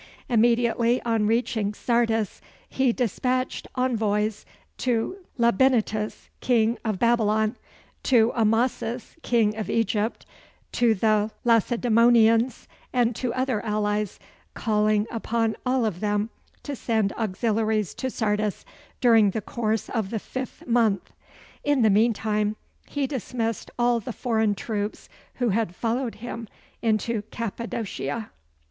Immediately on reaching Sardis he despatched envoys to Labynetus king of Babylon; to Amasis, king of Egypt; to the Lacedæmonians, and to other allies; calling upon all of them to send auxiliaries to Sardis during the course of the fifth month. In the mean time he dismissed all the foreign troops who had followed him into Cappadocia.